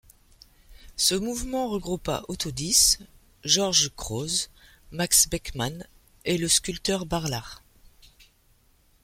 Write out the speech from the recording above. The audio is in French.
Ce mouvement regroupa Otto Dix, George Grosz, Max Beckmann et le sculpteur Barlach.